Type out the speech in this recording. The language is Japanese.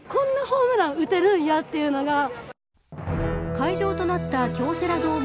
会場となった京セラドーム